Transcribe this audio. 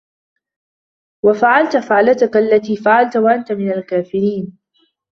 وفعلت فعلتك التي فعلت وأنت من الكافرين